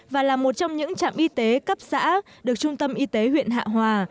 và là một trong những trạm y tế cấp xã được trung tâm y tế huyện hạ hòa